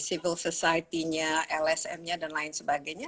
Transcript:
civil society nya lsm nya dan lain sebagainya